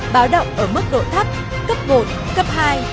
báo động ở mức độ thấp cấp một cấp hai